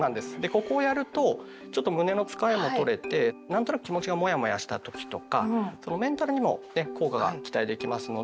ここをやるとちょっと胸のつかえも取れて何となく気持ちがモヤモヤした時とかそのメンタルにもね効果が期待できますので。